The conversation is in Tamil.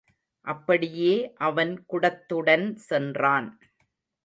அப்படியே அவன் குடத்துடன் சென்றான்.